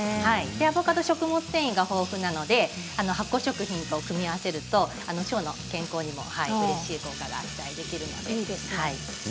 アボカドは食物繊維が豊富なので発酵食品と組み合わせると腸の健康にもうれしいことが期待できるので。